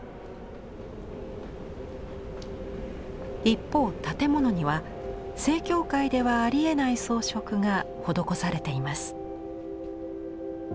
一方建物には正教会ではありえない装飾が施されています。